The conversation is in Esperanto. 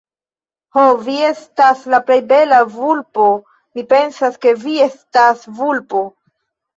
Ho, vi estas la plej bela... vulpo, mi pensas, ke vi estas vulpo.